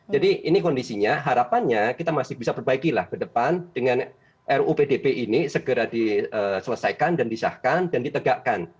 jadi ini kondisinya harapannya kita masih bisa perbaikilah ke depan dengan ru pdp ini segera diselesaikan dan disahkan dan ditegakkan